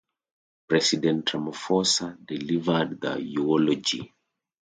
President Ramaphosa delivered the eulogy.